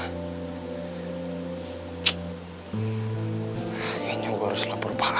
kayaknya gue harus lapor pak amir deh